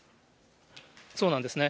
そうなんですね。